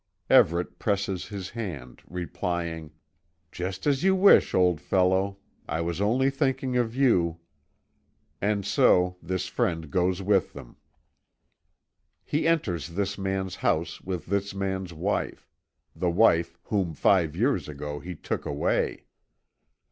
Everet presses his hand, replying: "Just as you wish, old fellow I was only thinking of you." And so this friend goes with them. He enters this man's house with this man's wife the wife whom five years ago he took away.